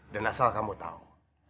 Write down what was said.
dan asal kamu tahu